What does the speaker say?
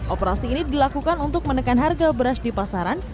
operasi ini dilakukan untuk menekan harga beras di pasaran